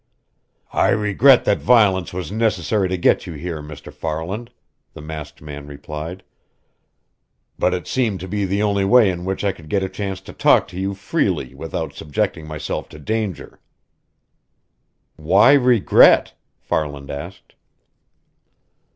"I regret that violence was necessary to get you here, Mr. Farland," the masked man replied, "but it seemed to be the only way in which I could get a chance to talk to you freely without subjecting myself to danger." "Why regret?" Farland asked.